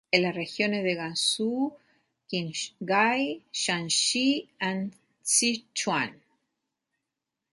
En las regiones de Gansu, Qinghai, Shaanxi, Sichuan.